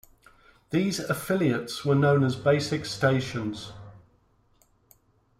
These affiliates were known as "basic stations".